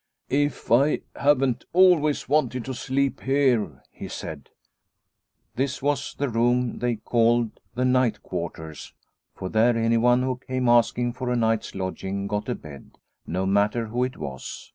" If I haven't always wanted to sleep here !" he said. This was the room they called the " night quarters," for there anyone who came asking for a night's lodging got a bed, no matter who it was.